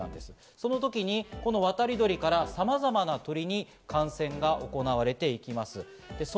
その時に渡り鳥からさまざまな鳥に感染が行われていきます。